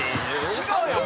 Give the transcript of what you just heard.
違うやん。